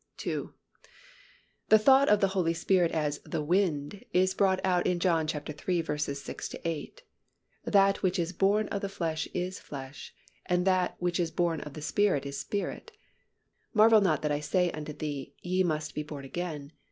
2. The thought of the Holy Spirit as "the Wind" is brought out in John iii. 6 8, "That which is born of the flesh is flesh; and that which is born of the Spirit is spirit. Marvel not that I said unto thee, Ye must be born again.